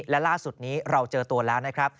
และล่าสุดนี้เราเจอตัวแล้วนะครับ